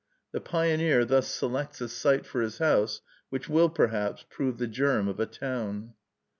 The pioneer thus selects a site for his house, which will, perhaps, prove the germ of a town.